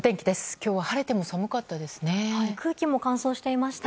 今日は晴れても寒かったですね